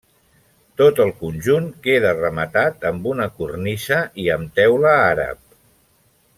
Tot el conjunt queda rematat amb una cornisa i amb teula àrab.